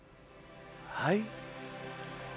はい。